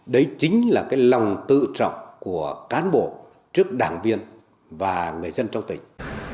đấy chính là cái lòng tự trọng của cán bộ trước đảng viên và người dân trong tỉnh